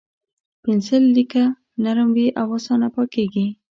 د پنسل لیکه نرم وي او اسانه پاکېږي.